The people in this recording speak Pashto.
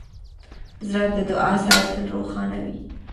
زړه د دعا سره تل روښانه وي.